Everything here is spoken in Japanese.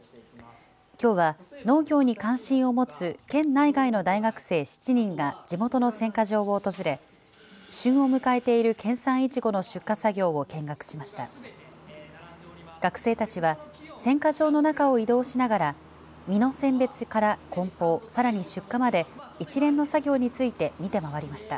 きょうは農業に関心を持つ県内外の大学生７人が地元の選果場を訪れ旬を迎えている県産いちごの出荷作業を見学しました。